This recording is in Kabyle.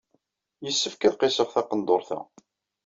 Yessefk ad qisseɣ taqendurt-a.